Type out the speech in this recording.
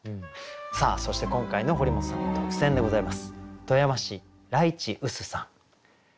さあそして今回の堀本さんの特選でございます。